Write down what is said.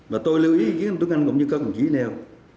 và tôi lưu ý với anh tuấn anh cũng như con cũng như anh nèo